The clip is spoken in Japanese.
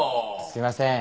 すいません。